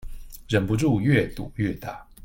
忍不住越賭越大